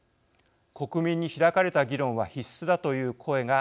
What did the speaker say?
国民に開かれた議論は必須だという声が出ています。